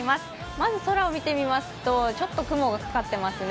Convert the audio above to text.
まず空を見てみますとちょっと雲がかかってますね。